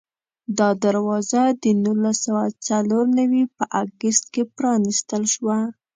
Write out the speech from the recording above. دا دروازه د نولس سوه څلور نوي په اګست کې پرانستل شوه.